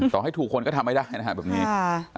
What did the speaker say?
ต่อให้ถูกคนก็ทำไม่ได้นะคะ